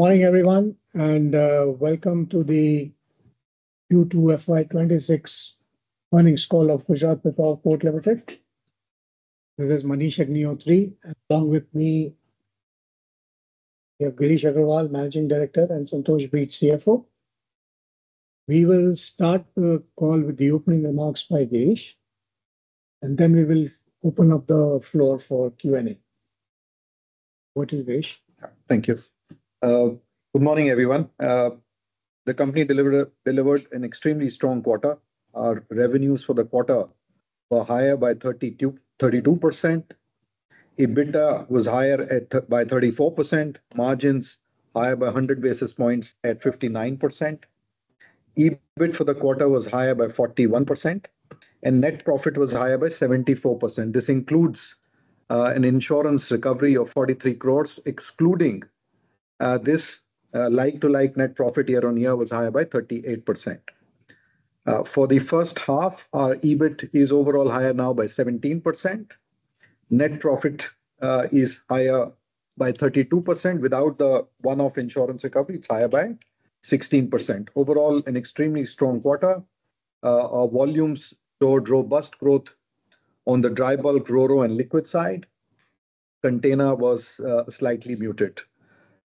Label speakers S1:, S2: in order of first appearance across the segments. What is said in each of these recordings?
S1: Good morning, everyone, and welcome to the Q2 FY 2026 Earnings Call of Gujarat Pipavav Port Ltd. This is Manish Agnihotri, and along with me, we have Girish Aggarwal, Managing Director, and Santosh Breed, CFO. We will start the call with the opening remarks by Girish, and then we will open up the floor for Q&A. What is your issue?
S2: Thank you. Good morning, everyone. The company delivered an extremely strong quarter. Our revenues for the quarter were higher by 32%. EBITDA was higher by 34%. Margins were higher by 100 basis points at 59%. EBIT for the quarter was higher by 41%, and net profit was higher by 74%. This includes an insurance recovery of 43 crores, excluding this like-for-like net profit year-on-year was higher by 38%. For the first half, our EBIT is overall higher now by 17%. Net profit is higher by 32% without the one-off insurance recovery. It's higher by 16%. Overall, an extremely strong quarter. Our volumes showed robust growth on the dry bulk, RoRo, and liquid side. Container was slightly muted.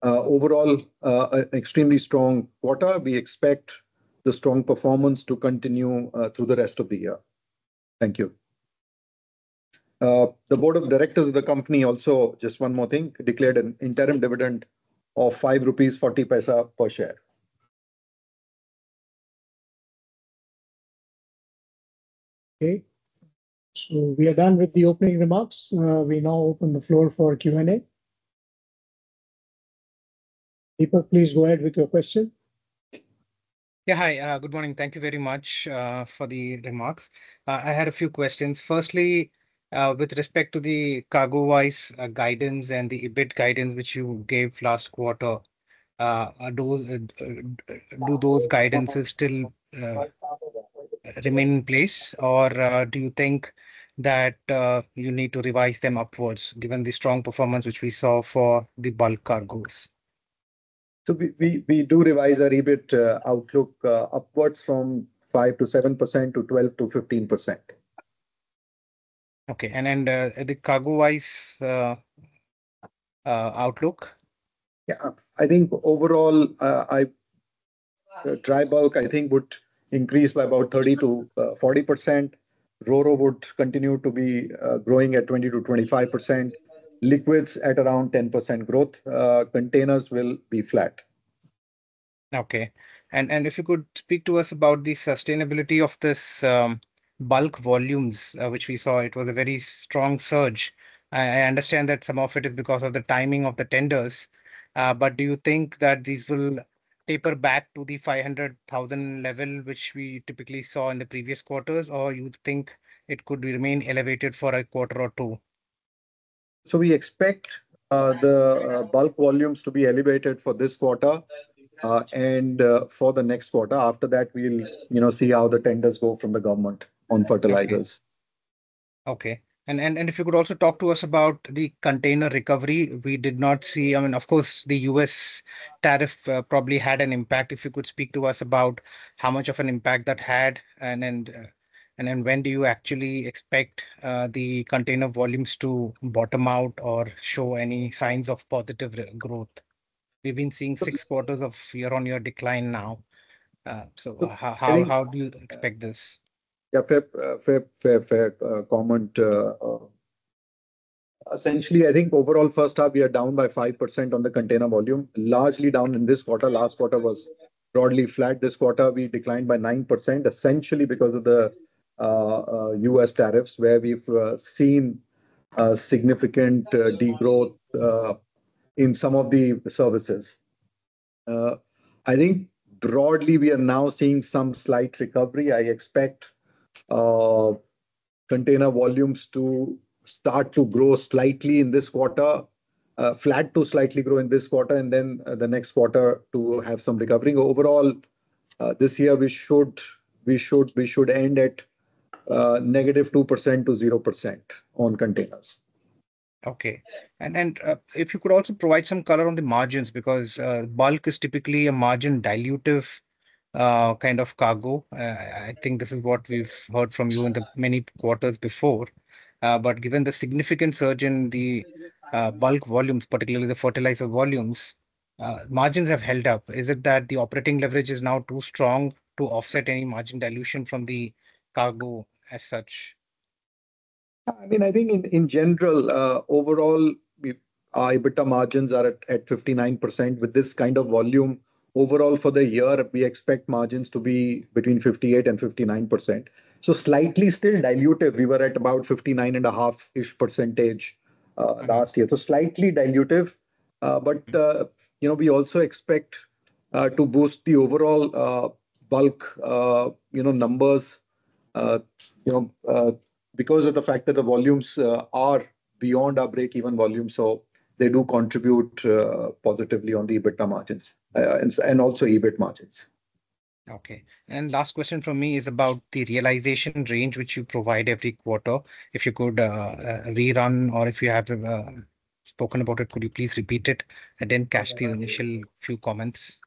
S2: Overall, an extremely strong quarter. We expect the strong performance to continue through the rest of the year. Thank you. The Board of Directors of the company also, just one more thing, declared an interim dividend of 5.40 rupees per share.
S1: Okay. So we are done with the opening remarks. We now open the floor for Q&A. Deepak, please go ahead with your question. Yeah, hi. Good morning. Thank you very much for the remarks. I had a few questions. Firstly, with respect to the cargo-wise guidance and the EBIT guidance, which you gave last quarter, do those guidances still remain in place, or do you think that you need to revise them upwards given the strong performance which we saw for the bulk cargoes?
S2: We do revise our EBIT outlook upwards from 5%-7% to 12%-15%. Okay. And the cargo-wise outlook? Yeah. I think overall, the dry bulk, I think, would increase by about 30%-40%. RoRo would continue to be growing at 20%-25%. Liquids at around 10% growth. Containers will be flat. Okay. And if you could speak to us about the sustainability of these bulk volumes, which we saw, it was a very strong surge. I understand that some of it is because of the timing of the tenders. But do you think that these will taper back to the 500,000 level, which we typically saw in the previous quarters, or you think it could remain elevated for a quarter or two? So we expect the bulk volumes to be elevated for this quarter and for the next quarter. After that, we'll see how the tenders go from the government on fertilizers. Okay. And if you could also talk to us about the container recovery. We did not see - I mean, of course, the U.S. tariff probably had an impact. If you could speak to us about how much of an impact that had, and when do you actually expect the container volumes to bottom out or show any signs of positive growth? We've been seeing six quarters of year-on-year decline now. So how do you expect this? Yeah, fair comment. Essentially, I think overall, first half, we are down by 5% on the container volume, largely down in this quarter. Last quarter was broadly flat. This quarter, we declined by 9%, essentially because of the U.S. tariffs, where we've seen significant degrowth in some of the services. I think broadly, we are now seeing some slight recovery. I expect container volumes to start to grow slightly in this quarter, flat to slightly grow in this quarter, and then the next quarter to have some recovery. Overall, this year, we should end at -2% to 0% on containers. Okay, and if you could also provide some color on the margins, because bulk is typically a margin-dilutive kind of cargo. I think this is what we've heard from you in the many quarters before, but given the significant surge in the bulk volumes, particularly the fertilizer volumes, margins have held up. Is it that the operating leverage is now too strong to offset any margin dilution from the cargo as such? I mean, I think in general, overall, our EBITDA margins are at 59%. With this kind of volume, overall, for the year, we expect margins to be between 58% and 59%. So slightly still dilutive. We were at about 59.5%-ish percentage last year. So slightly dilutive. But we also expect to boost the overall bulk numbers because of the fact that the volumes are beyond our break-even volume. So they do contribute positively on the EBITDA margins and also EBIT margins. Okay, and last question from me is about the realization range, which you provide every quarter. If you could rerun or if you have spoken about it, could you please repeat it and then cash the initial few comments?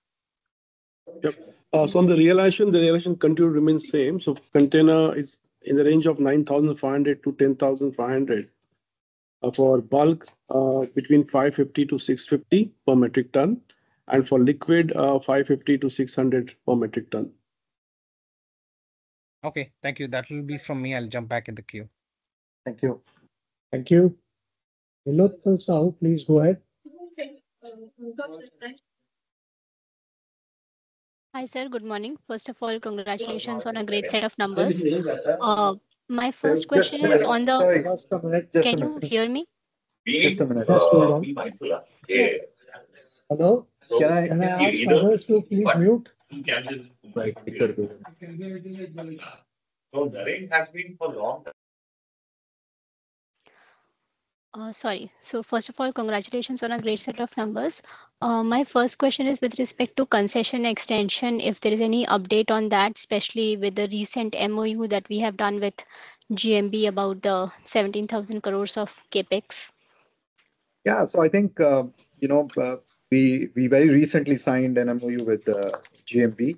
S3: Yep. So on the realization, the realization continues to remain same. So container is in the range of 9,500-10,500. For bulk, between 550-650 per metric ton. And for liquid, 550-600 per metric ton. Okay. Thank you. That will be from me. I'll jump back in the queue. Thank you.
S1: Thank you. Neelotpal Sahu, please go ahead. Hi, sir. Good morning. First of all, congratulations on a great set of numbers. My first question is on the. Can you hear me? Just a minute. Hello? Can I hear you? Can you please mute? Sorry. So first of all, congratulations on a great set of numbers. My first question is with respect to concession extension, if there is any update on that, especially with the recent MoU that we have done with GMB about the 17,000 crores of CapEx?
S2: Yeah. So I think we very recently signed an MoU with GMB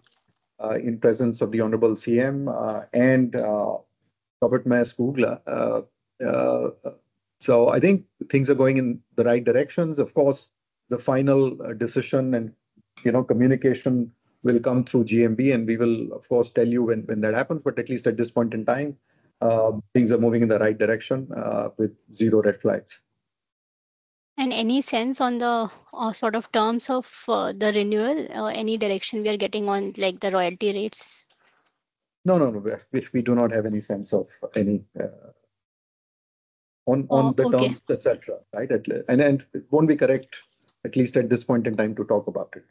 S2: in presence of the Honorable CM and Robert Mærsk Uggla. So I think things are going in the right directions. Of course, the final decision and communication will come through GMB, and we will, of course, tell you when that happens. But at least at this point in time, things are moving in the right direction with zero red flags. And any sense on the sort of terms of the renewal or any direction we are getting on the royalty rates? No, no, no. We do not have any sense of any on the terms, etc., right? And it won't be correct, at least at this point in time, to talk about it.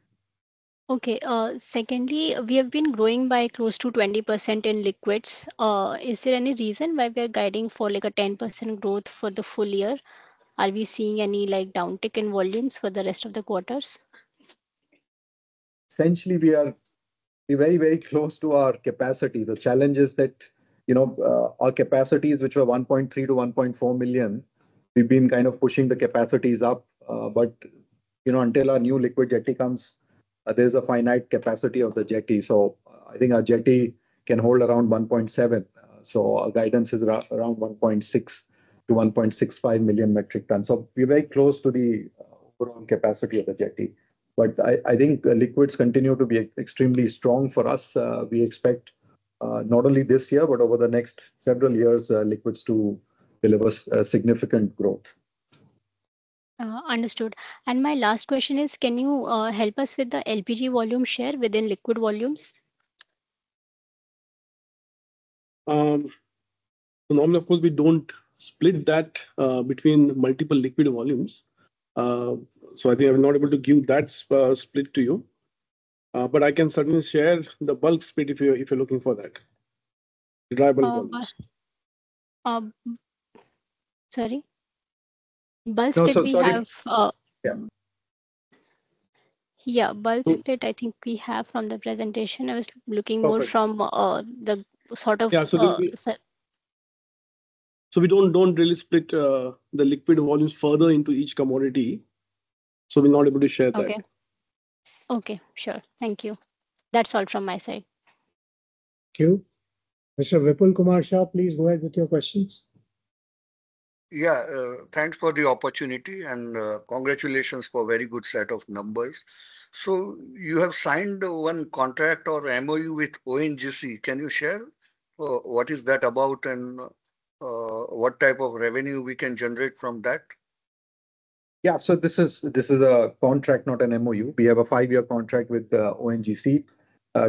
S2: Okay. Secondly, we have been growing by close to 20% in liquids. Is there any reason why we are guiding for a 10% growth for the full year? Are we seeing any downtick in volumes for the rest of the quarters? Essentially, we are very, very close to our capacity. The challenge is that our capacities, which were 1.3-1.4 million, we've been kind of pushing the capacities up. But until our new liquid jetty comes, there's a finite capacity of the jetty. So I think our jetty can hold around 1.7. So our guidance is around 1.6-1.65 million metric tons. So we're very close to the overall capacity of the jetty. But I think liquids continue to be extremely strong for us. We expect not only this year, but over the next several years, liquids to deliver significant growth. Understood. And my last question is, can you help us with the LPG volume share within liquid volumes?
S3: Normally, of course, we don't split that between multiple liquid volumes. So I think I'm not able to give that split to you. But I can certainly share the bulk split if you're looking for that, the Dry Bulk volumes. Sorry. Bulk split, we have. No, sorry. Yeah. Yeah. Bulk split, I think we have from the presentation. I was looking more from the sort of... Yeah. So we don't really split the liquid volumes further into each commodity. So we're not able to share that. Okay. Okay. Sure. Thank you. That's all from my side.
S1: Thank you. Mr. Vipul Kumar Shah, please go ahead with your questions. Yeah. Thanks for the opportunity, and congratulations for a very good set of numbers. So you have signed one contract or MoU with ONGC. Can you share what is that about and what type of revenue we can generate from that?
S2: Yeah. So this is a contract, not an MoU. We have a five-year contract with ONGC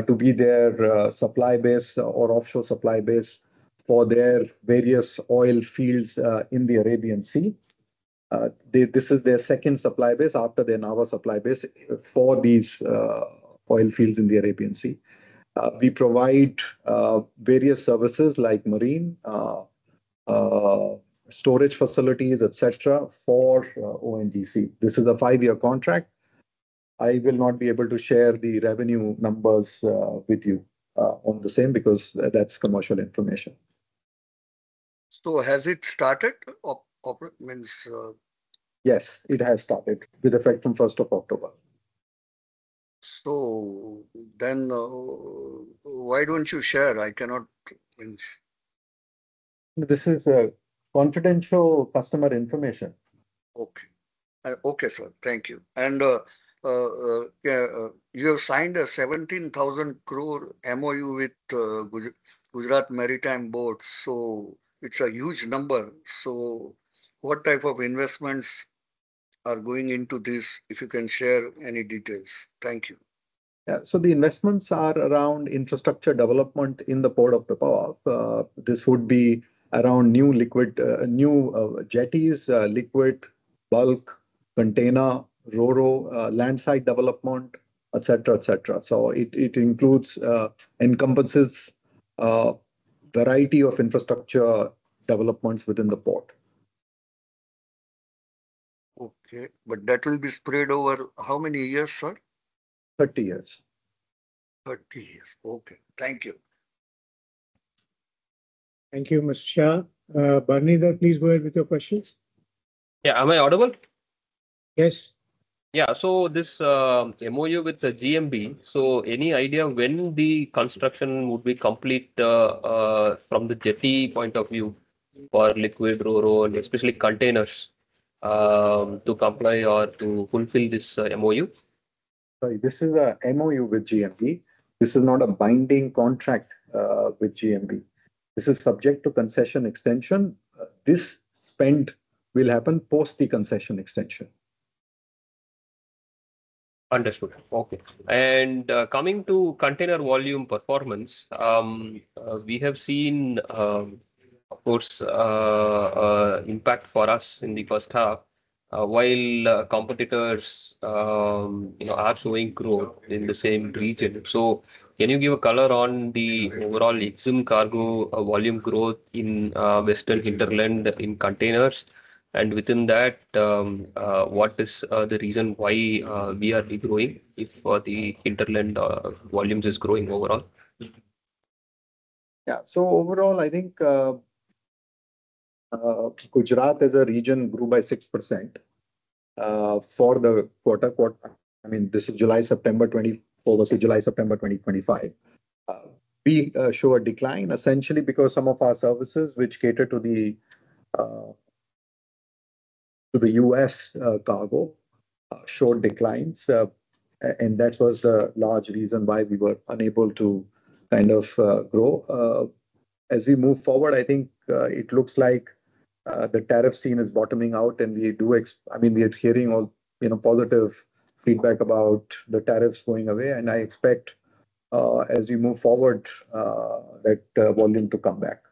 S2: to be their supply base or offshore supply base for their various oil fields in the Arabian Sea. This is their second supply base after their Nhava supply base for these oil fields in the Arabian Sea. We provide various services like marine storage facilities, etc., for ONGC. This is a five-year contract. I will not be able to share the revenue numbers with you on the same because that's commercial information. Has it started? Yes, it has started with effect from 1st of October. So then why don't you share? I cannot... This is confidential customer information. Okay. Okay, sir. Thank you. And you have signed a 17,000 crore MoU with Gujarat Maritime Board. So it's a huge number. So what type of investments are going into this if you can share any details? Thank you. Yeah. So the investments are around infrastructure development in the port of Pipavav. This would be around new liquid jetties, liquid bulk, container, RoRo, landside development, etc., etc. So it includes and encompasses a variety of infrastructure developments within the port. Okay, but that will be spread over how many years, sir? 30 years. 30 years. Okay. Thank you.
S1: Thank you, Mr. Shah. Bharanidhar, please go ahead with your questions. Yeah. Am I audible? Yes. Yeah. So this MoU with GMB, so any idea when the construction would be complete from the jetty point of view for liquid, RoRo, especially containers, to comply or to fulfill this MoU?
S2: Sorry. This is an MoU with GMB. This is not a binding contract with GMB. This is subject to concession extension. This spend will happen post the concession extension. Understood. Okay. And coming to container volume performance, we have seen, of course, impact for us in the first half while competitors are showing growth in the same region. So can you give a color on the overall EXIM cargo volume growth in western hinterland in containers? And within that, what is the reason why we are regrowing if the Hinterland volumes are growing overall? Yeah, so overall, I think Gujarat as a region grew by 6% for the quarter. I mean, this is July-September 2024, July-September 2025. We show a decline, essentially, because some of our services, which cater to the U.S. cargo, showed declines, and that was the large reason why we were unable to kind of grow. As we move forward, I think it looks like the tariff scene is bottoming out, and we do, I mean, we are hearing all positive feedback about the tariffs going away, and I expect, as we move forward, that volume to come back.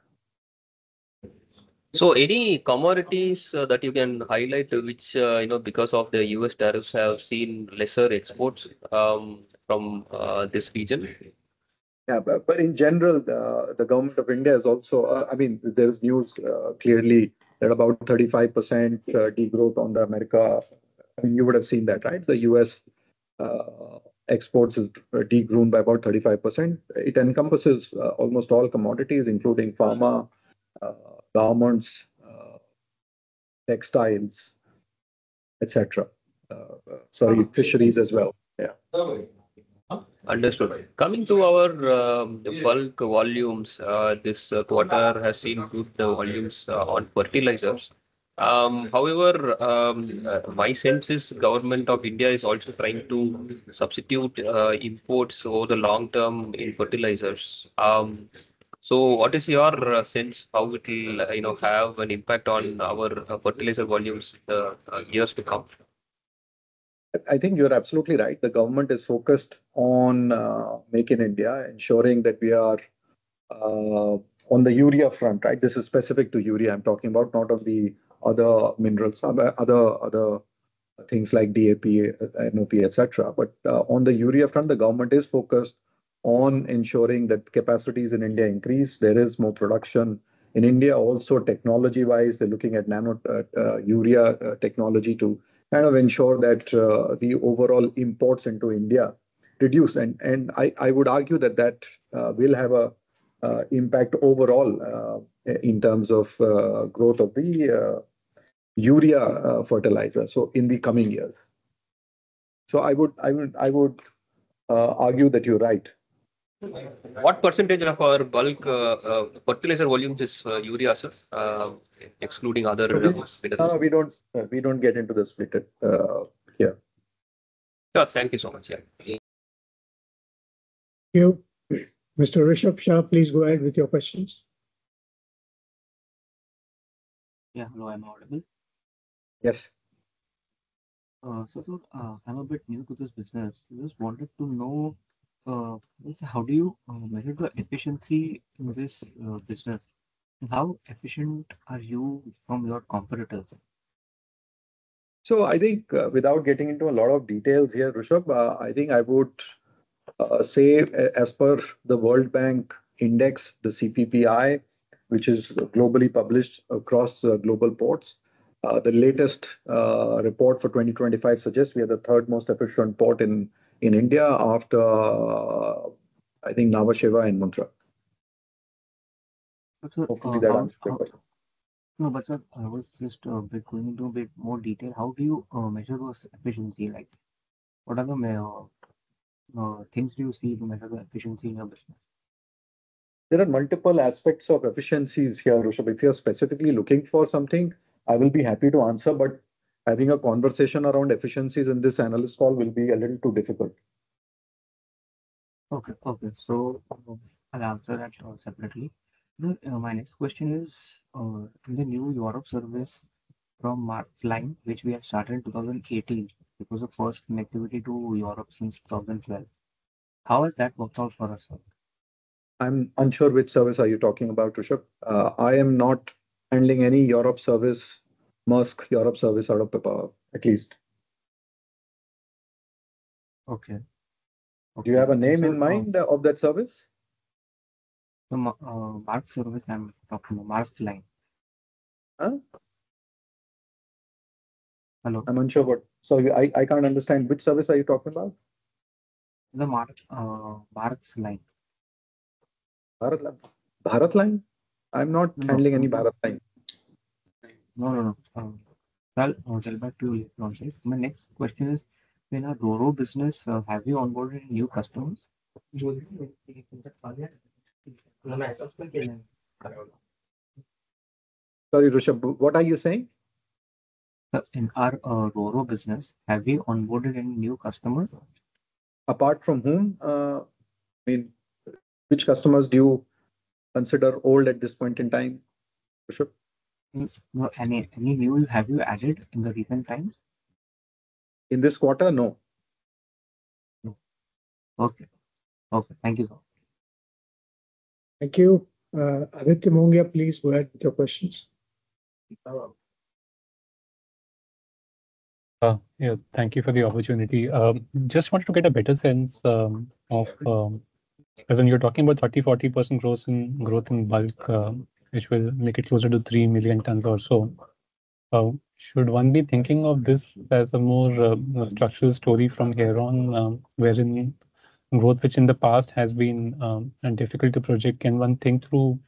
S2: Any commodities that you can highlight because of the U.S. tariffs have seen lesser exports from this region? Yeah. But in general, the government of India is also. I mean, there's news clearly that about 35% degrowth to America. I mean, you would have seen that, right? The U.S. exports have degrown by about 35%. It encompasses almost all commodities, including pharma, garments, textiles, etc. Sorry, fisheries as well. Yeah. Understood. Coming to our bulk volumes, this quarter has seen good volumes on fertilizers. However, my sense is the government of India is also trying to substitute imports over the long term in fertilizers. So what is your sense how it will have an impact on our fertilizer volumes in the years to come? I think you're absolutely right. The government is focused on Make in India, ensuring that we are on the urea front, right? This is specific to urea. I'm talking about not only other minerals, other things like DAP, MOP, etc., but on the urea front, the government is focused on ensuring that capacities in India increase. There is more production in India. Also, technology-wise, they're looking at urea technology to kind of ensure that the overall imports into India reduce. And I would argue that that will have an impact overall in terms of growth of the urea fertilizer in the coming years. So I would argue that you're right. What percentage of our bulk fertilizer volume is urea, sir, excluding other? We don't get into the split here. Yes. Thank you so much.
S1: Thank you. Mr. Rishabh Shah, please go ahead with your questions. Yeah. Hello. I'm audible.
S2: Yes. So I'm a bit new to this business. I just wanted to know, how do you measure the efficiency in this business? How efficient are you from your competitors? So I think without getting into a lot of details here, Rishabh, I think I would say, as per the World Bank Index, the CPPI, which is globally published across global ports, the latest report for 2025 suggests we are the third most efficient port in India after, I think, Nhava Sheva and Mundra. But, sir, I was just going to be more detailed. How do you measure efficiency? What are the things you see to measure the efficiency in your business? There are multiple aspects of efficiencies here, Rishabh. If you're specifically looking for something, I will be happy to answer. But having a conversation around efficiencies in this analyst call will be a little too difficult. Okay. So I'll answer that separately. My next question is, in the new Europe service from Maersk Line, which we have started in 2018, it was the first connectivity to Europe since 2012. How has that worked out for us? I'm unsure which service are you talking about, Rishabh. I am not handling any Europe service, Maersk Europe service out of Pipavav, at least. Okay. Do you have a name in mind of that service? The Maersk service I'm talking about, Maersk Line. Hello? I'm unsure what. Sorry, I can't understand. Which service are you talking about? The Maersk Line. Bharat Line? Bharat Line? I'm not handling any Bharat Line. No, no, no. Well, I'll get back to you later on, sir. My next question is, in our RoRo business, have we onboarded any new customers? Sorry, Rishabh. What are you saying? In our RoRo business, have we onboarded any new customers? Apart from whom? I mean, which customers do you consider old at this point in time, Rishabh? Any new have you added in the recent times? In this quarter? No. No. Okay. Okay. Thank you.
S1: Thank you. Aditya Mongia, please go ahead with your questions. Thank you for the opportunity. Just wanted to get a better sense of, as you're talking about 30%-40% growth in bulk, which will make it closer to three million tons or so. Should one be thinking of this as a more structural story from here on, wherein growth, which in the past has been difficult to project, can one think through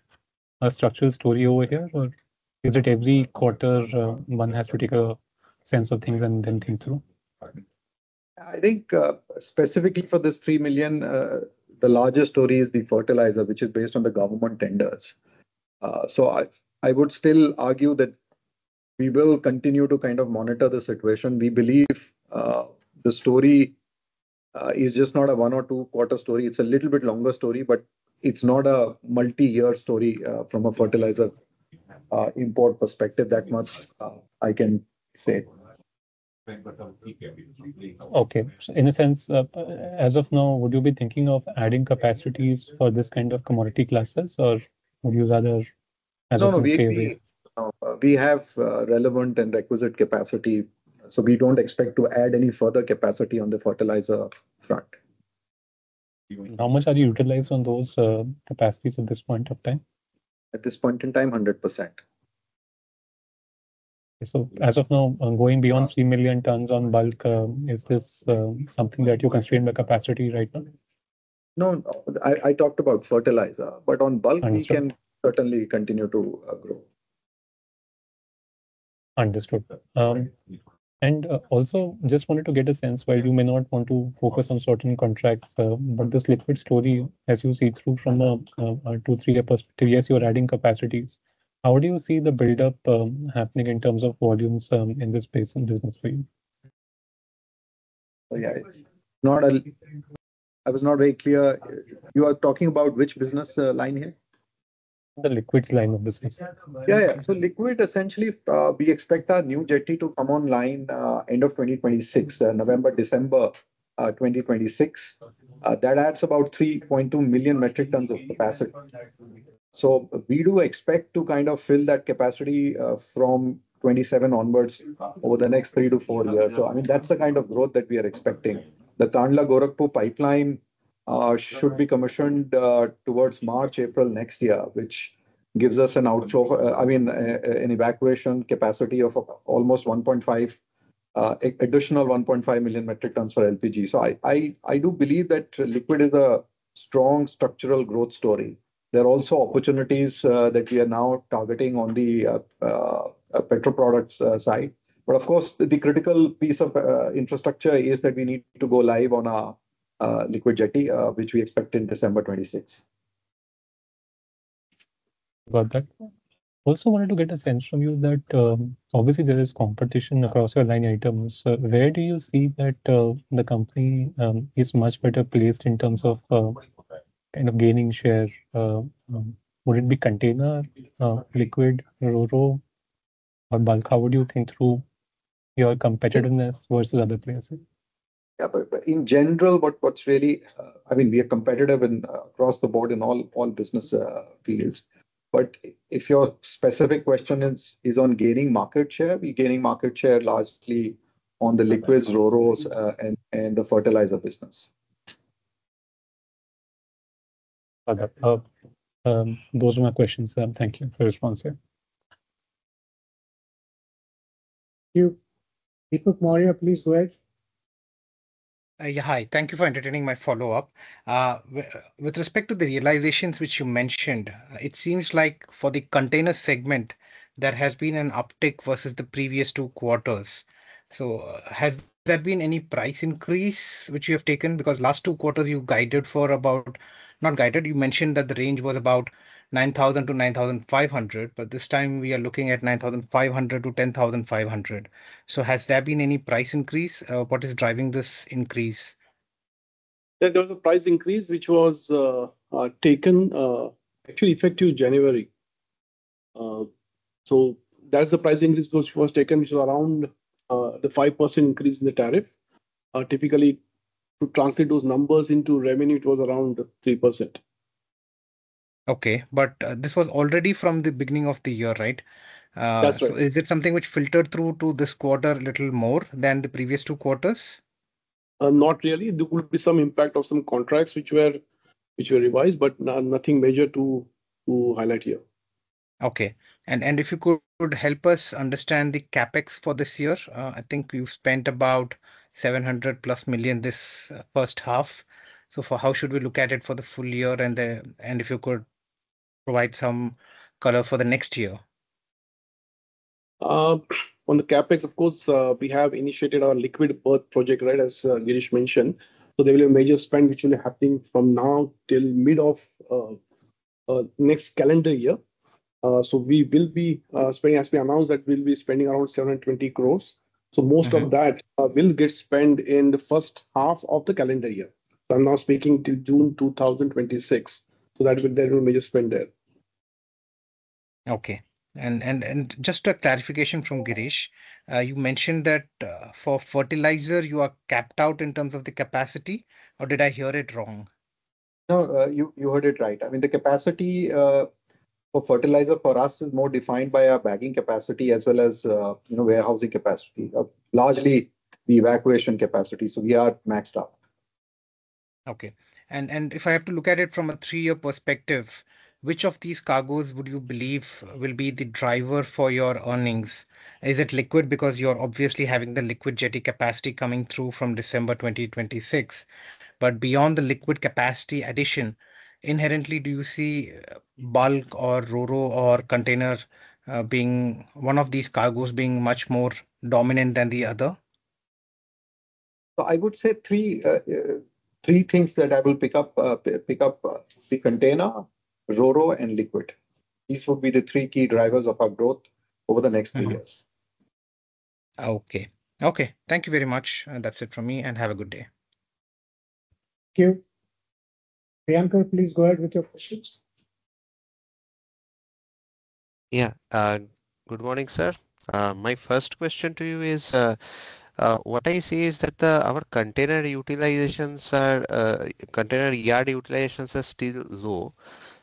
S1: a structural story over here, or is it every quarter one has to take a sense of things and then think through?
S2: I think specifically for this 3,000,000, the larger story is the fertilizer, which is based on the government tenders. So I would still argue that we will continue to kind of monitor the situation. We believe the story is just not a one or two-quarter story. It's a little bit longer story, but it's not a multi-year story from a fertilizer import perspective that much I can say. Okay. So in a sense, as of now, would you be thinking of adding capacities for this kind of commodity classes, or would you rather as of this day? No, no. We have relevant and requisite capacity. So we don't expect to add any further capacity on the fertilizer front. How much are you utilized on those capacities at this point of time? At this point in time, 100%. So as of now, going beyond 3 million tons on bulk, is this something that you constrain by capacity right now? No. I talked about fertilizer, but on bulk, we can certainly continue to grow. Understood. Also, just wanted to get a sense while you may not want to focus on certain contracts, but this liquid story, as you see through from a two-three-year perspective, yes, you're adding capacities. How do you see the buildup happening in terms of volumes in this space and business for you? So yeah, I was not very clear. You are talking about which business line here? The liquids line of business. Yeah, yeah. So liquid, essentially, we expect our new jetty to come online end of 2026, November, December 2026. That adds about 3.2 million metric tons of capacity. So we do expect to kind of fill that capacity from 27 onwards over the next three to four years. So I mean, that's the kind of growth that we are expecting. The Kandla-Gorakhpur pipeline should be commissioned towards March, April next year, which gives us an outflow, I mean, an evacuation capacity of almost 1.5, additional 1.5 million metric tons for LPG. So I do believe that liquid is a strong structural growth story. There are also opportunities that we are now targeting on the petrol products side. But of course, the critical piece of infrastructure is that we need to go live on a liquid jetty, which we expect in December 26. Got that. Also wanted to get a sense from you that obviously there is competition across your line items. Where do you see that the company is much better placed in terms of kind of gaining share? Would it be container, liquid, RoRo, or bulk? How would you think through your competitiveness versus other players? Yeah. But in general, what's really, I mean, we are competitive across the board in all business fields. But if your specific question is on gaining market share, we're gaining market share largely on the liquids, RoRo, and the fertilizer business. Okay. Those are my questions. Thank you for your response here.
S1: Thank you. Deepak Maurya, please go ahead. Yeah. Hi. Thank you for entertaining my follow-up. With respect to the realizations which you mentioned, it seems like for the container segment, there has been an uptick versus the previous two quarters. So has there been any price increase which you have taken? Because last two quarters, you guided for about not guided. You mentioned that the range was about 9,000-9,500. But this time, we are looking at 9,500-10,500. So has there been any price increase? What is driving this increase?
S3: There was a price increase which was taken, actually effective January. So that's the price increase which was taken, which was around the 5% increase in the tariff. Typically, to translate those numbers into revenue, it was around 3%. Okay. But this was already from the beginning of the year, right? That's right. Is it something which filtered through to this quarter a little more than the previous two quarters? Not really. There would be some impact of some contracts which were revised, but nothing major to highlight here. Okay. And if you could help us understand the CapEx for this year, I think you've spent about 700 million+ this first half. So how should we look at it for the full year? And if you could provide some color for the next year? On the CapEx, of course, we have initiated our liquid berth project, right, as Girish mentioned. So there will be a major spend which will be happening from now till mid of next calendar year. So we will be spending, as we announced, that we'll be spending around 720 crores. So most of that will get spent in the first half of the calendar year. So I'm now speaking till June 2026. So there will be major spend there. Okay. And just a clarification from Girish, you mentioned that for fertilizer, you are capped out in terms of the capacity, or did I hear it wrong?
S2: No, you heard it right. I mean, the capacity for fertilizer for us is more defined by our bagging capacity as well as warehousing capacity. Largely, the evacuation capacity. So we are maxed out. Okay, and if I have to look at it from a three-year perspective, which of these cargoes would you believe will be the driver for your earnings? Is it liquid because you're obviously having the liquid jetty capacity coming through from December 2026, but beyond the liquid capacity addition, inherently, do you see bulk or RoRo or container being one of these cargoes being much more dominant than the other? So I would say three things that I will pick up: the container, RoRo, and liquid. These would be the three key drivers of our growth over the next three years. Okay. Okay. Thank you very much. That's it from me. And have a good day.
S1: Thank you. Priyankar, please go ahead with your questions. Yeah. Good morning, sir. My first question to you is, what I see is that our container utilizations, container yard utilizations are still low.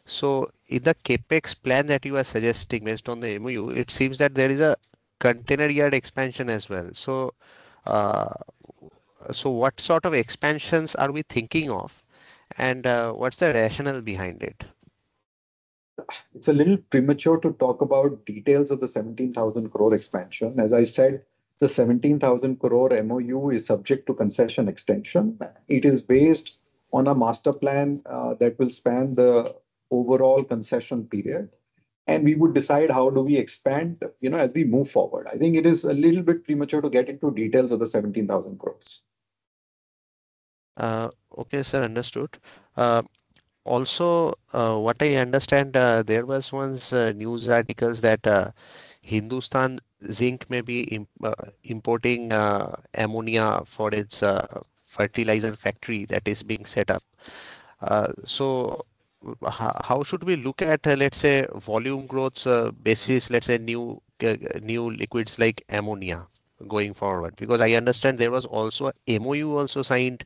S1: So in the CapEx plan that you are suggesting based on the MoU, it seems that there is a container yard expansion as well. So what sort of expansions are we thinking of, and what's the rationale behind it?
S2: It's a little premature to talk about details of the 17,000 crore expansion. As I said, the 17,000 crore MoU is subject to concession extension. It is based on a master plan that will span the overall concession period. And we would decide how do we expand as we move forward. I think it is a little bit premature to get into details of the 17,000 crores. Okay, sir. Understood. Also, what I understand, there were some news articles that Hindustan Zinc may be importing ammonia for its fertilizer factory that is being set up. So how should we look at, let's say, volume growth basis, let's say, new liquids like ammonia going forward? Because I understand there was also an MoU also signed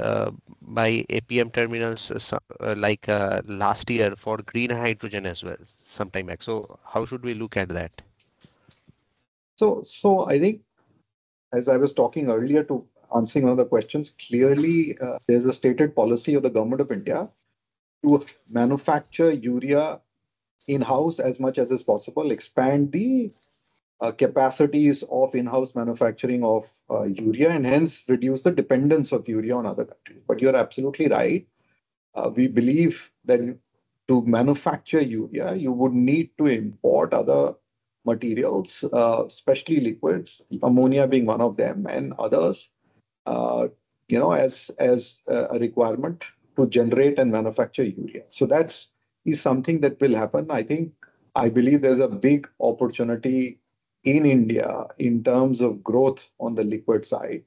S2: by APM Terminals last year for green hydrogen as well some time back. So how should we look at that? I think, as I was talking earlier to answering one of the questions, clearly, there's a stated policy of the Government of India to manufacture urea in-house as much as is possible, expand the capacities of in-house manufacturing of urea, and hence reduce the dependence of urea on other countries. But you're absolutely right. We believe that to manufacture urea, you would need to import other materials, especially liquids, ammonia being one of them, and others as a requirement to generate and manufacture urea. That is something that will happen. I believe there's a big opportunity in India in terms of growth on the liquid side.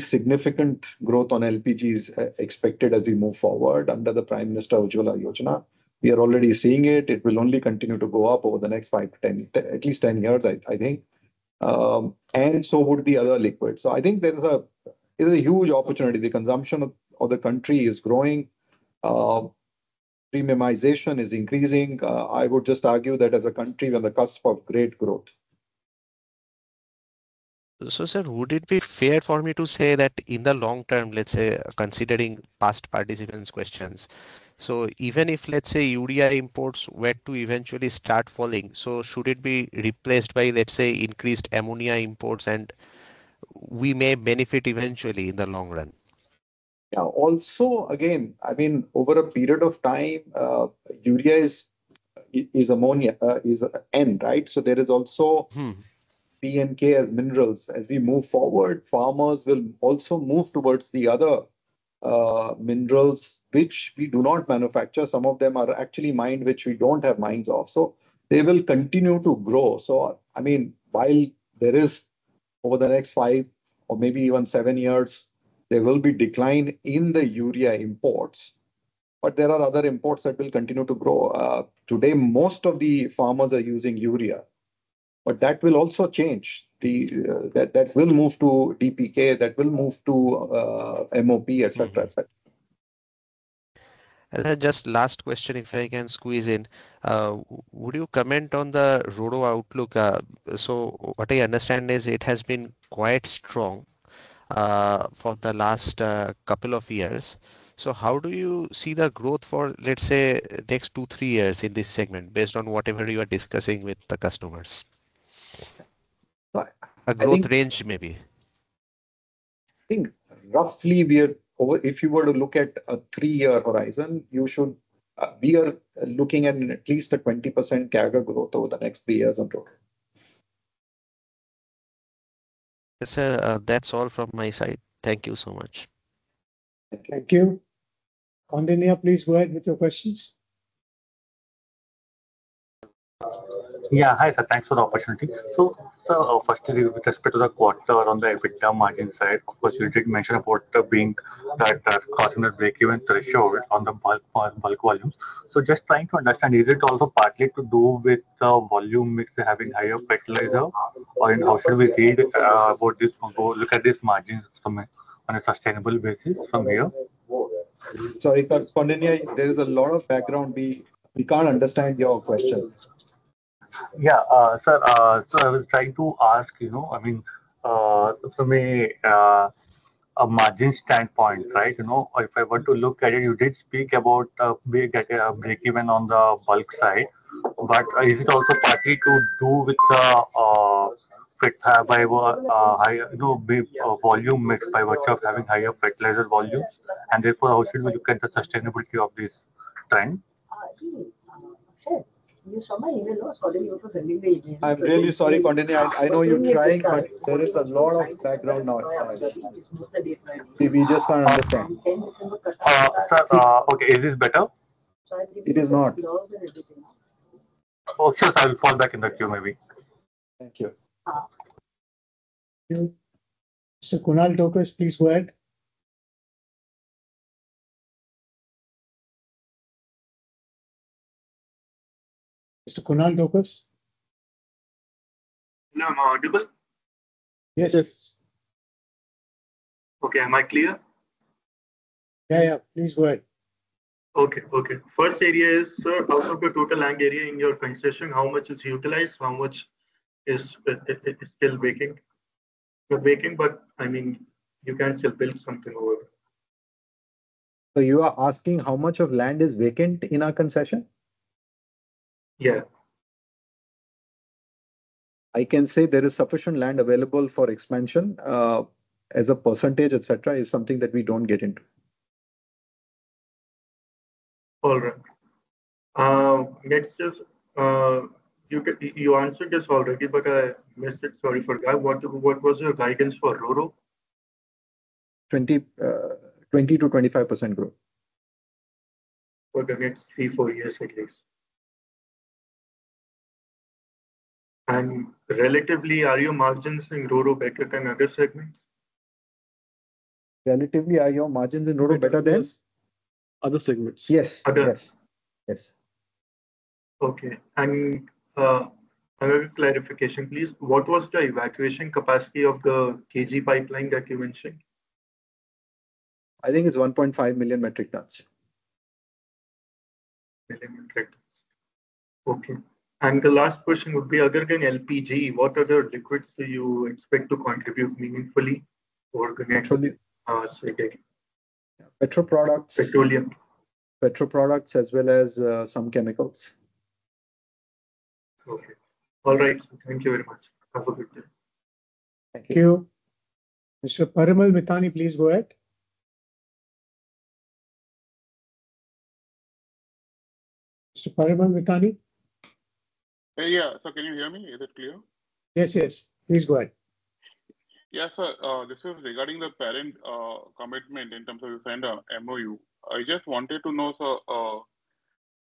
S2: Significant growth on LPG is expected as we move forward under the Pradhan Mantri Ujjwala Yojana. We are already seeing it. It will only continue to go up over the next five, 10, at least 10 years, I think. And so would the other liquids. So I think there is a huge opportunity. The consumption of the country is growing. Premiumization is increasing. I would just argue that as a country, we are on the cusp of great growth. So, sir, would it be fair for me to say that in the long term, let's say, considering past participants' questions, so even if, let's say, urea imports were to eventually start falling, so should it be replaced by, let's say, increased ammonia imports, and we may benefit eventually in the long run? Yeah. Also, again, I mean, over a period of time, urea is ammonia, is an end, right? So there is also P and K as minerals. As we move forward, farmers will also move towards the other minerals, which we do not manufacture. Some of them are actually mined, which we don't have mines of. So they will continue to grow. So, I mean, while there is over the next five or maybe even seven years, there will be decline in the urea imports. But there are other imports that will continue to grow. Today, most of the farmers are using urea. But that will also change. That will move to NPK. That will move to MOP, etc., etc. Just last question, if I can squeeze in, would you comment on the RoRo outlook? So what I understand is it has been quite strong for the last couple of years. So how do you see the growth for, let's say, next two, three years in this segment based on whatever you are discussing with the customers? A growth range maybe. I think roughly, if you were to look at a three-year horizon, we are looking at least a 20% CAGR growth over the next three years in total. Sir, that's all from my side. Thank you so much.
S1: Thank you. Koundinya, please go ahead with your questions. Yeah. Hi, sir. Thanks for the opportunity. So firstly, with respect to the quarter on the EBITDA margin side, of course, you did mention a quarter being that cost-neutral breakeven ratio on the bulk volumes. So just trying to understand, is it also partly to do with the volume having higher fertilizer, or how should we read about this? Look at these margins on a sustainable basis from here?
S2: Sorry, Koundinya, there is a lot of background. We can't understand your question. Yeah, sir. So I was trying to ask, I mean, from a margin standpoint, right? If I want to look at it, you did speak about breakeven on the bulk side. But is it also partly to do with the volume mix by virtue of having higher fertilizer volumes? And therefore, how should we look at the sustainability of this trend? Sure. You saw my email? I was calling you for sending the email. I'm really sorry, Koundinya. I know you're trying, but there is a lot of background noise. We just can't understand. Okay. Is this better? It is not. Okay. I will fall back in the queue maybe.
S1: Thank you. Mr. Kunal Tokas, please go ahead. Mr. Kunal Tokas? No, I'm audible? Yes, yes. Okay. Am I clear? Yeah, yeah. Please go ahead. Okay. First area is, sir, out of the total land area in your concession, how much is utilized? How much is still vacant? Your vacant, but I mean, you can still build something over there.
S2: You are asking how much of land is vacant in our concession? Yeah. I can say there is sufficient land available for expansion as a percentage, etc., is something that we don't get into. All right. Next, you answered this already, but I missed it. Sorry for that. What was your guidance for RoRo? 20%-25% growth. Okay. Next three, four years at least. And relatively, are your margins in RoRo better than other segments? Relatively, are your margins in RoRo better than? Other segments. Yes. Other. Yes. Yes. Okay. And another clarification, please. What was the evacuation capacity of the KG pipeline that you mentioned? I think it's 1.5 million metric tons. Million metric tons. Okay. And the last question would be, other than LPG, what other liquids do you expect to contribute meaningfully for the next? Petro products. Petroleum. Petro products as well as some chemicals. Okay. All right. Thank you very much. Have a good day.
S1: Thank you. Mr. Parimal Mithani, please go ahead. Mr. Parimal Mithani? Yeah. So can you hear me? Is it clear? Yes, yes. Please go ahead. Yeah, sir. This is regarding the parent commitment in terms of you signed an MoU. I just wanted to know, sir,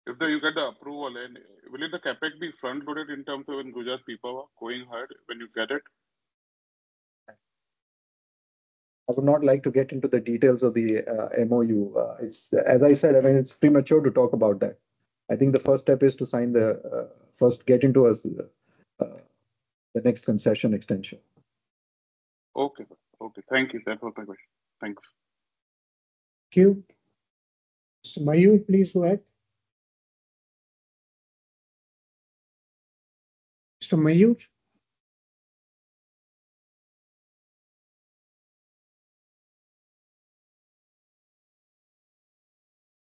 S1: if you get the approval, will the CapEx be front-loaded in terms of Gujarat Pipavav, going ahead when you get it?
S2: I would not like to get into the details of the MoU. As I said, I mean, it's premature to talk about that. I think the first step is to sign the first get into the next concession extension. Okay. Okay. Thank you. That was my question. Thanks.
S1: Thank you. Mr. Mayur, please go ahead. Mr. Mayur?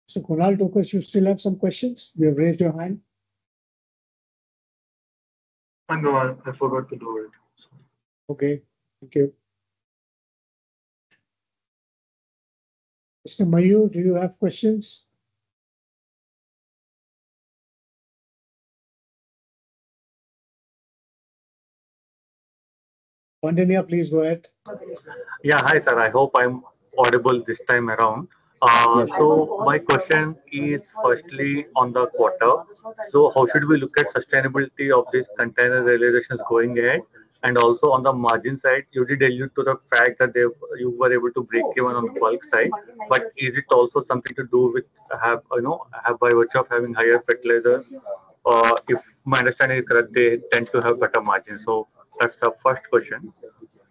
S1: Mr. Kunal Tokas, you still have some questions? You have raised your hand. No, I forgot to do it. Okay. Thank you. Mr. Mayur, do you have questions? Koundinya, please go ahead. Yeah. Hi, sir. I hope I'm audible this time around. So my question is firstly on the quarter. So how should we look at sustainability of these container realizations going ahead? And also on the margin side, you did allude to the fact that you were able to break even on the bulk side. But is it also something to do with by virtue of having higher fertilizers? If my understanding is correct, they tend to have better margins. So that's the first question.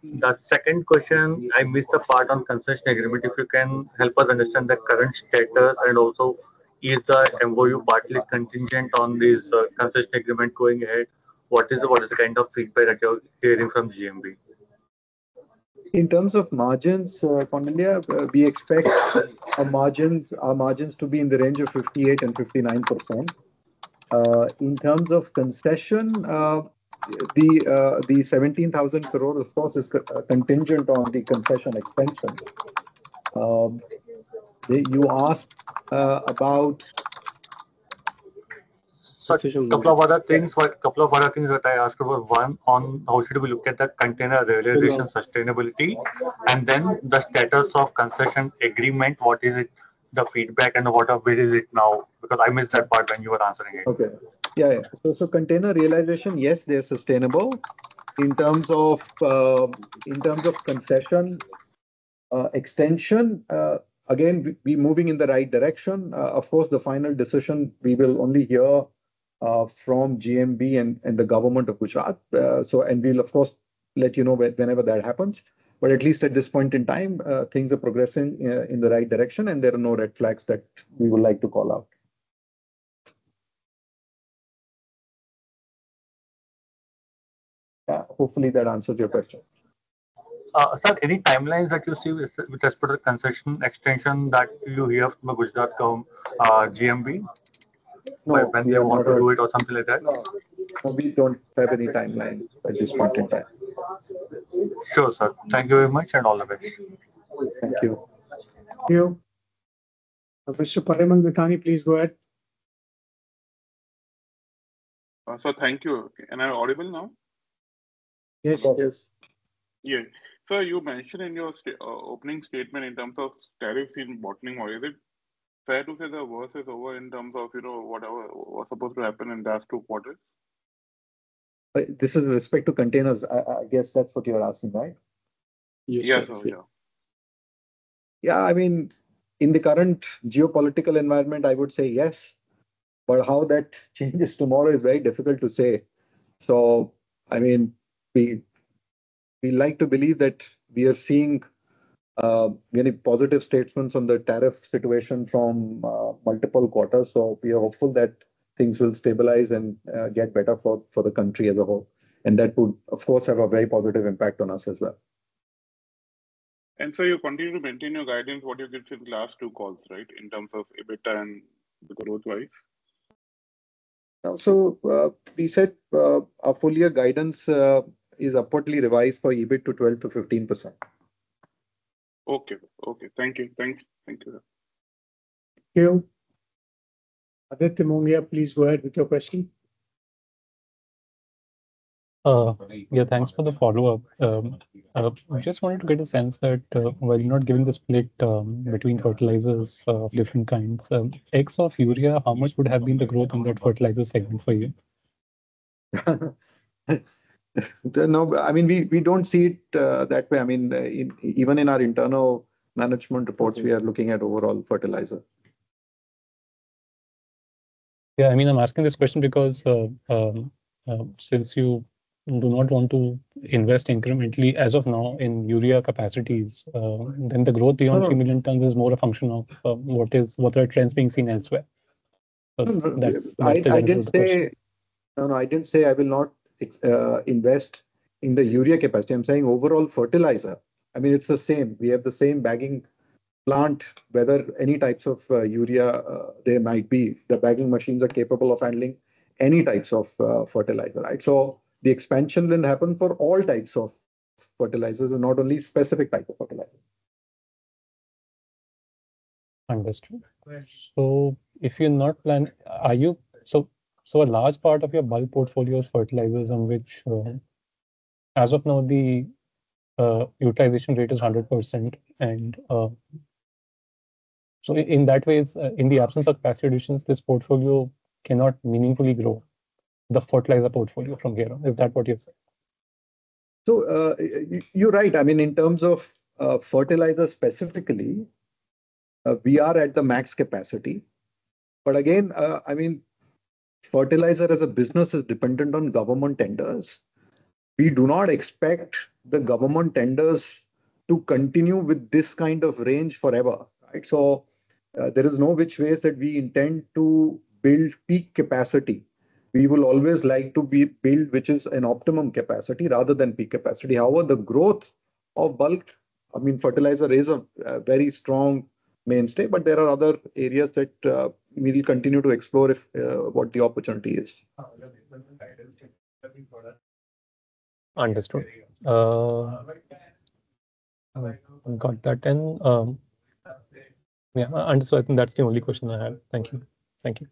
S1: The second question, I missed the part on Concession Agreement. If you can help us understand the current status and also is the MoU partly contingent on this Concession Agreement going ahead? What is the kind of feedback that you're hearing from GMB?
S2: In terms of margins, Koundinya, we expect our margins to be in the range of 58%-59%. In terms of concession, the 17,000 crore, of course, is contingent on the concession extension. You asked about. A couple of other things. A couple of other things that I asked about one, on how should we look at the container realization sustainability, and then the status of Concession Agreement, what is the feedback and where is it now? Because I missed that part when you were answering it. Okay. Yeah, yeah, so container realization, yes, they're sustainable. In terms of concession extension, again, we're moving in the right direction. Of course, the final decision, we will only hear from GMB and the Government of Gujarat, and we'll, of course, let you know whenever that happens, but at least at this point in time, things are progressing in the right direction, and there are no red flags that we would like to call out. Yeah. Hopefully, that answers your question. Sir, any timelines that you see with respect to the concession extension that you hear from Gujarat GMB when they want to do it or something like that? We don't have any timeline at this point in time. Sure, sir. Thank you very much and all the best.
S1: Thank you. Thank you. Mr. Parimal Mithani, please go ahead. Sir, thank you. And I'm audible now? Yes, yes. Yeah. Sir, you mentioned in your opening statement in terms of tariffs and bottlenecking, is it fair to say the worst is over in terms of whatever was supposed to happen in the last two quarters?
S2: This is with respect to containers. I guess that's what you're asking, right? Yes, sir. Yeah. Yeah. I mean, in the current geopolitical environment, I would say yes. But how that changes tomorrow is very difficult to say. So I mean, we like to believe that we are seeing many positive statements on the tariff situation from multiple quarters. So we are hopeful that things will stabilize and get better for the country as a whole. And that would, of course, have a very positive impact on us as well. And, sir, you continue to maintain your guidance, what you did in the last two calls, right, in terms of EBITDA and growth-wise? We said our full year guidance is upwardly revised for EBIT to 12%-15%. Okay. Thank you.
S1: Thank you. Aditya Mongia, please go ahead with your question. Yeah. Thanks for the follow-up. I just wanted to get a sense that while you're not giving the split between fertilizers of different kinds, DAPs or urea, how much would have been the growth in that fertilizer segment for you?
S2: No. I mean, we don't see it that way. I mean, even in our internal management reports, we are looking at overall fertilizer. Yeah. I mean, I'm asking this question because since you do not want to invest incrementally as of now in urea capacities, then the growth beyond 3 million tons is more a function of what are trends being seen elsewhere. I didn't say I will not invest in the urea capacity. I'm saying overall fertilizer. I mean, it's the same. We have the same bagging plant, whether any types of urea there might be. The bagging machines are capable of handling any types of fertilizer, right? So the expansion will happen for all types of fertilizers and not only specific types of fertilizer. Understood. So if you're not planning, a large part of your bulk portfolio is fertilizers, which as of now, the utilization rate is 100%. And so in that way, in the absence of capacity additions, this portfolio cannot meaningfully grow the fertilizer portfolio from here on. Is that what you're saying? So you're right. I mean, in terms of fertilizer specifically, we are at the max capacity. But again, I mean, fertilizer as a business is dependent on government tenders. We do not expect the government tenders to continue with this kind of range forever, right? So there is no which ways that we intend to build peak capacity. We will always like to build which is an optimum capacity rather than peak capacity. However, the growth of bulk, I mean, fertilizer is a very strong mainstay, but there are other areas that we will continue to explore what the opportunity is. Understood. Got that. And yeah, I understood. That's the only question I have. Thank you. Thank you.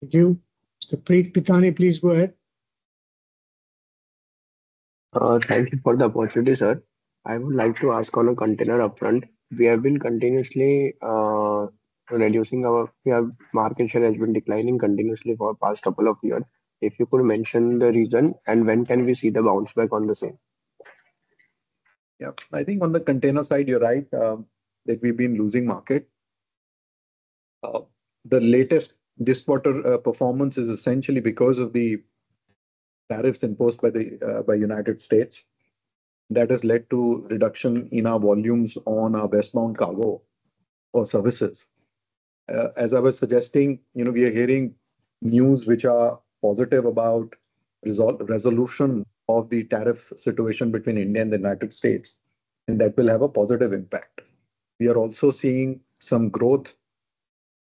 S1: Thank you. Mr. Parimal Mithani, please go ahead. Thank you for the opportunity, sir. I would like to ask on a container front. Our market share has been declining continuously for the past couple of years. If you could mention the reason and when can we see the bounce back on the same?
S2: Yeah. I think on the container side, you're right that we've been losing market. The latest this quarter performance is essentially because of the tariffs imposed by the United States. That has led to a reduction in our volumes on our westbound cargo or services. As I was suggesting, we are hearing news which are positive about the resolution of the tariff situation between India and the United States, and that will have a positive impact. We are also seeing some growth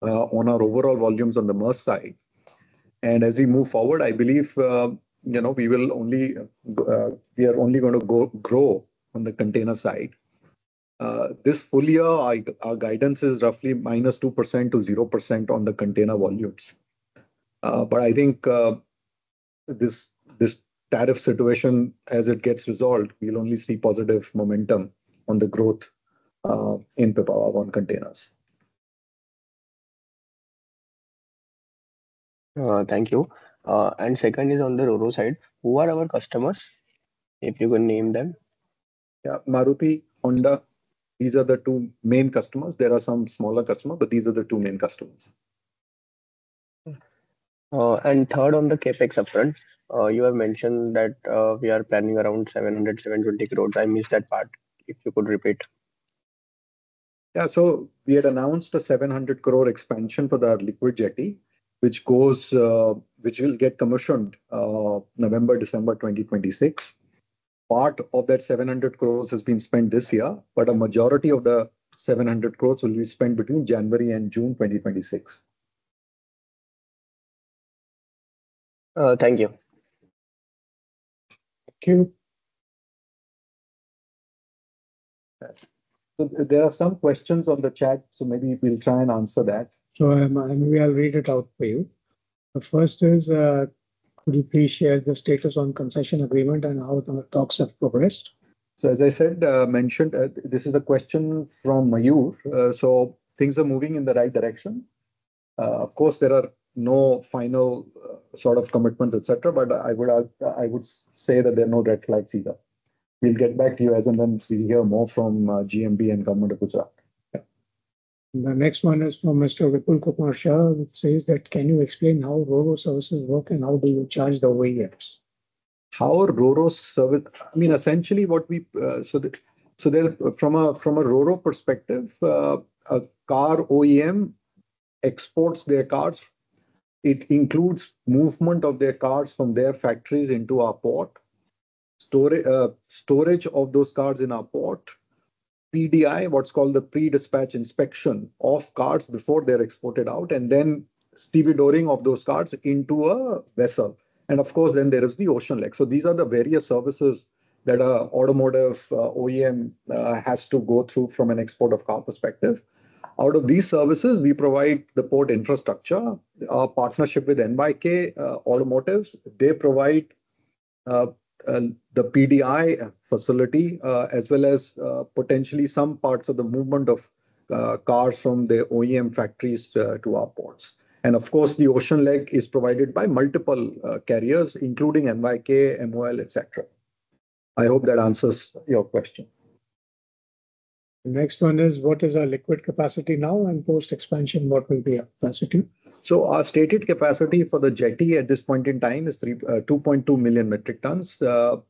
S2: on our overall volumes on the Maersk side. And as we move forward, I believe we are only going to grow on the container side. This full year, our guidance is roughly -2% to 0% on the container volumes. But I think this tariff situation, as it gets resolved, we'll only see positive momentum on the growth in Pipavav on containers. Thank you. And second is on the RoRo side, who are our customers? If you can name them. Yeah. Maruti, Honda, these are the two main customers. There are some smaller customers, but these are the two main customers. Third, on the CapEx upfront, you have mentioned that we are planning around 720 crore. I missed that part. If you could repeat. Yeah. So we had announced a 700 crore expansion for the liquid jetty, which will get commissioned November, December 2026. Part of that 700 crores has been spent this year, but a majority of the 700 crores will be spent between January and June 2026. Thank you. Thank you. There are some questions on the chat, so maybe we'll try and answer that.
S1: We'll read it out for you. The first is, could you please share the status on Concession Agreement and how the talks have progressed?
S2: As I mentioned, this is a question from Mayur. Things are moving in the right direction. Of course, there are no final sort of commitments, etc., but I would say that there are no red flags either. We'll get back to you as and when we'll hear more from GMB and Government of Gujarat.
S1: The next one is from Mr. Vipul Kumar Shah, who says, "Can you explain how RoRo services work and how do you charge the OEMs?
S2: How RoRo services? I mean, essentially what we do from a RoRo perspective, a car OEM exports their cars. It includes movement of their cars from their factories into our port, storage of those cars in our port, PDI, what's called the pre-dispatch inspection of cars before they're exported out, and then stevedoring of those cars into a vessel, and of course then there is the ocean leg. So these are the various services that an automotive OEM has to go through from an export of car perspective. Out of these services, we provide the port infrastructure. Our partnership with NYK Automotives. They provide the PDI facility as well as potentially some parts of the movement of cars from the OEM factories to our ports, and of course the ocean leg is provided by multiple carriers, including NYK, MOL, etc. I hope that answers your question. The next one is, what is our liquid capacity now? And post-expansion, what will be our capacity? Our stated capacity for the jetty at this point in time is 2.2 million metric tons.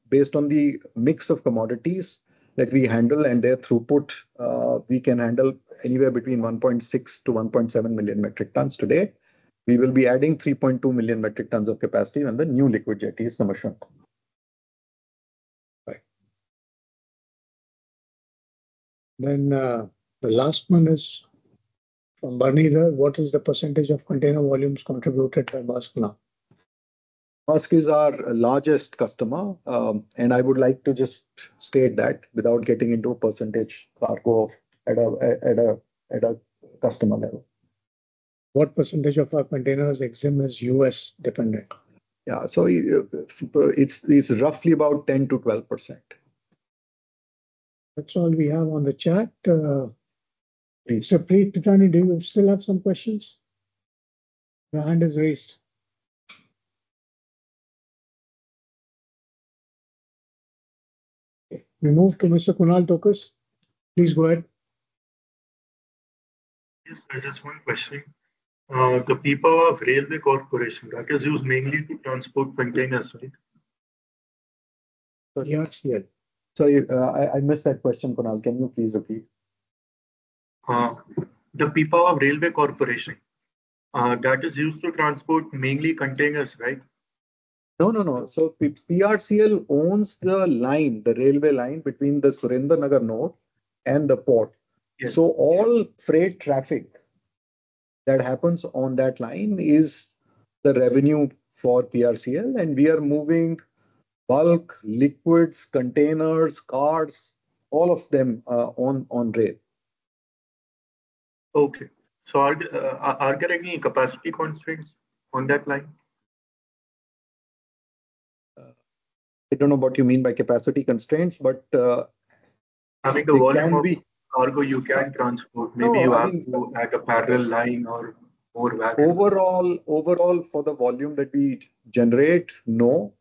S2: Based on the mix of commodities that we handle and their throughput, we can handle anywhere between 1.6-1.7 million metric tons today. We will be adding 3.2 million metric tons of capacity when the new liquid jetty is commissioned.
S1: Then the last one is from Bharanidhar. What is the percentage of container volumes contributed by Maersk?
S2: Maersk is our largest customer and I would like to just state that without getting into a percentage cargo at a customer level.
S1: What percentage of our containers EXIM is U.S.-dependent?
S2: Yeah, so it's roughly about 10%-12%.
S1: That's all we have on the chat. Mr. Parimal Mithani, do you still have some questions? Your hand is raised. We move to Mr. Kunal Tokas. Please go ahead. Yes, sir. Just one question. The Pipavav Railway Corporation, right, is used mainly to transport containers, right?
S2: Sorry, I missed that question, Kunal. Can you please repeat? The Pipavav Railway Corporation, that is used to transport mainly containers, right? No, no, no. So PRCL owns the line, the railway line between the Surendranagar node and the port. So all freight traffic that happens on that line is the revenue for PRCL. And we are moving bulk, liquids, containers, cars, all of them on rail. Okay. So are there any capacity constraints on that line? I don't know what you mean by capacity constraints, but. I mean, the volume of cargo you can transport, maybe you have to add a parallel line or more value. Overall, for the volume that we generate, no.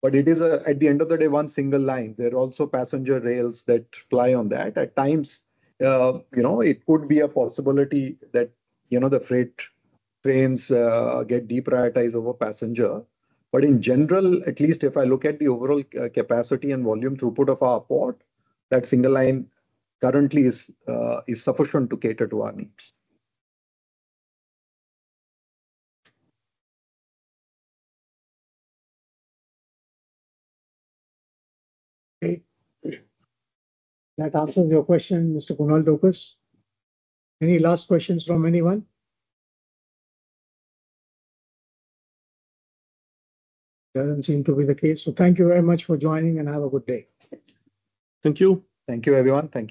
S2: But it is, at the end of the day, one single line. There are also passenger rails that fly on that. At times, it could be a possibility that the freight trains get deprioritized over passenger. But in general, at least if I look at the overall capacity and volume throughput of our port, that single line currently is sufficient to cater to our needs.
S1: Okay. That answers your question, Mr. Kunal Tokas. Any last questions from anyone? Doesn't seem to be the case. So thank you very much for joining, and have a good day.
S3: Thank you.
S1: Thank you, everyone. Thank you.